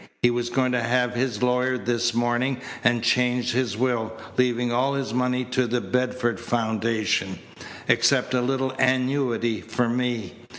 He was going to have his lawyer this morning and change his will, leaving all his money to the Bedford Foundation, except a little annuity for me.